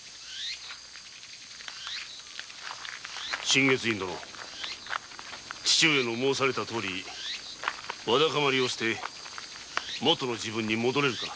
心月院殿父上が申されたとおりわだかまりを捨て昔の自分に戻れるか？